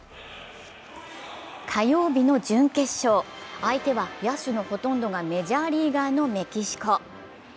火曜日の準決勝、相手は野手のほとんどがメジャーリーガーのメキシコ。